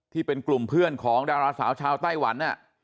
ที่เป็นกลุ่มเพื่อนของดาราสาวชาวไต้หวัน